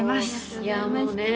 いやもうね